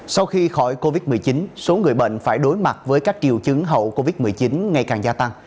sau khi khỏi covid một mươi chín số người bệnh phải đối mặt với các triệu chứng hậu covid một mươi chín ngày càng gia tăng